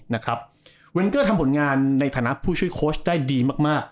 นะครับเวนเกอร์ทำผลงานในฐานะผู้ช่วยโค้ชได้ดีมากมาก